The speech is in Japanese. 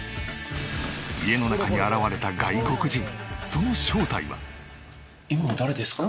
家の中に現れた外国人その正体は。